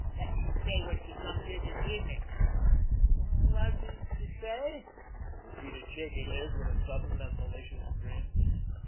Wot did she say when she comes here dis evening?" "Wot did she say?" repeated Shaky Liz, with a sudden and malicious grin.